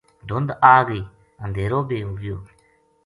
دھند آگئی اندھیرو ب ے